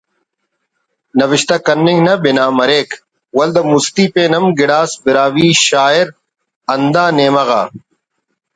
نوشتہ کننگ نا بنا مریک ولدا مُستی پین ہم گڑاس براہوئی شاعر ہندا نیمہ غا